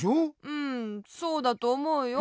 うんそうだとおもうよ。